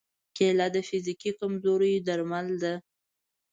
کېله د فزیکي کمزورۍ درمل ده.